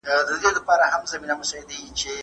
که په معلوماتو کي لاسوهنه وسي نو پایلي بدلیږي.